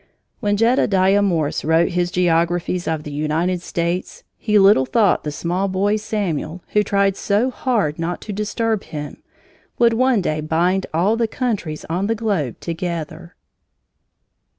When Jedediah Morse wrote his geographies of the United States, he little thought the small boy Samuel, who tried so hard not to disturb him, would one day bind all the countries on the globe together!